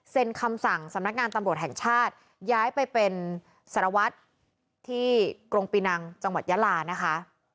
คำสั่งสำนักงานตำรวจแห่งชาติย้ายไปเป็นสารวัตรที่กรงปีนังจังหวัดยาลานะคะ